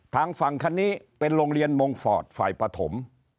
ทางฝั่งคันนี้เป็นโรงเรียนมงฟอร์ตฝ่ายปฐม